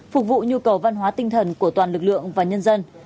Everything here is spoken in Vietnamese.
phục vụ nhu cầu văn hóa tinh thần của toàn lực lượng và nhân dân